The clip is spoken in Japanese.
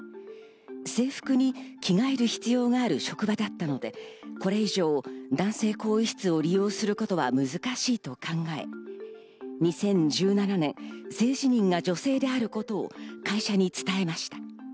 制服に着替える必要がある職場だったので、これ以上、男性更衣室を利用することは難しいと考え、２０１７年、性自認が女性であることを会社に伝えました。